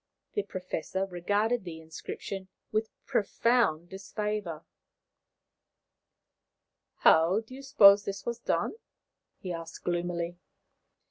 The Professor regarded the inscription with profound disfavour. "How do you suppose this was done?" he asked gloomily.